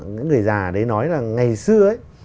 những người già đấy nói là ngày xưa ấy